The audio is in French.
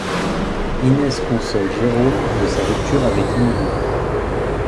Inès console Jérome de sa rupture avec Émilie.